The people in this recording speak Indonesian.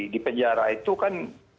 di penjara itu kan